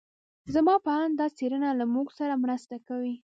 زما په اند دا څېړنه له موږ سره مرسته کوي.